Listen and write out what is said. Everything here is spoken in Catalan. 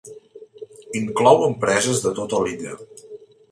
Inclou empreses de tota l'illa.